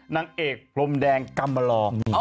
นางเอกลมแดงกำหลอก